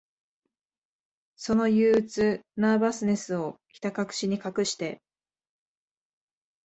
その憂鬱、ナーバスネスを、ひたかくしに隠して、